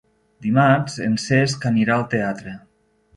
Dimarts en Cesc anirà al teatre.